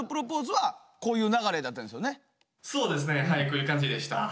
はいこういう感じでした。